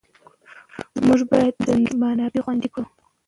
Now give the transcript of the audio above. موږ باید د ځمکې منابع خوندي کړو.